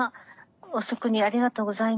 遅くにありがとうございます。